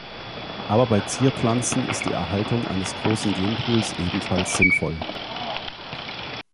Aber bei Zierpflanzen ist die Erhaltung eines großen Genpools ebenfalls sinnvoll.